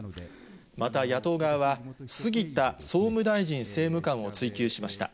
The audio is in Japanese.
また、野党側は、杉田総務大臣政務官を追及しました。